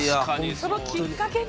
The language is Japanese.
そのきっかけに？